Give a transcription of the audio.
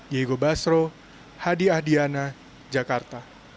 diego basro hadi ahdiana jakarta